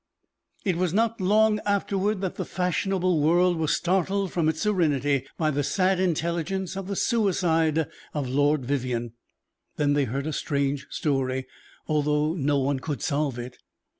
It was not long afterward that the fashionable world was startled from its serenity by the sad intelligence of the suicide of Lord Vivianne. Then they heard a strange story, although no one could solve it.